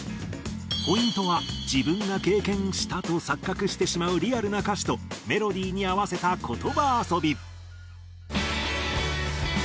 ポイントは自分が経験したと錯覚してしまうリアルな歌詞とメロディーに合わせた言葉遊び。